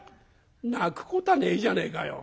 「泣くこたあねえじゃねえかよ。